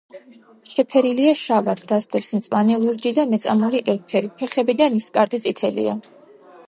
შეფერილია შავად, დასდევს მწვანე, ლურჯი და მეწამული ელფერი; ფეხები და ნისკარტი წითელია.